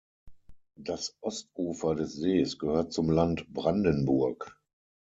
Das Ostufer des Sees gehört zum Land Brandenburg.